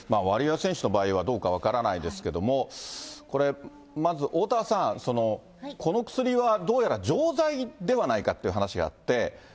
ワリエワ選手の場合はどうか分からないですけれども、これ、まずおおたわさん、このこの薬はどうやら錠剤ではないかっていう話があって。